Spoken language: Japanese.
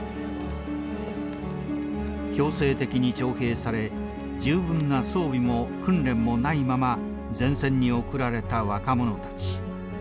強制的に徴兵され十分な装備も訓練もないまま前線に送られた若者たち。